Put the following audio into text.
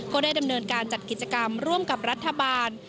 ก็ได้ดำเนินการจัดกิจกรรมร่วมกับรัฐบาล